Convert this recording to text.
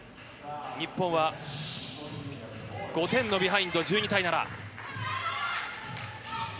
日本は５点のビハインド、１２対７。